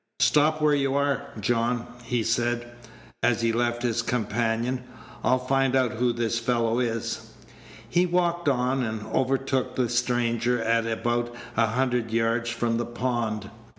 "Stop where you are, John," he said, as he left his companion; "I'll find out who this fellow is." He walked on, and overtook the stranger at about a hundred yards from the pond.